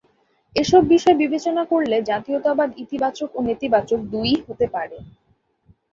এসব বিষয় বিবেচনা করলে জাতীয়তাবাদ ইতিবাচক ও নেতিবাচক দুইই হতে পারে।